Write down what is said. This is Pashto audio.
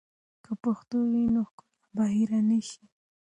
که پښتو وي، نو ښکلا به هېر نه سي.